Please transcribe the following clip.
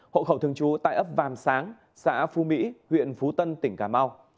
hộ khẩu thường chú tại ấp vàm sáng xã phu mỹ huyện phú tân tỉnh cà mau